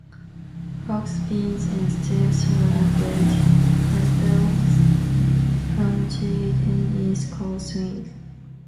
"Rock spins" and "steps" were added, like those from Jive and East Coast Swing.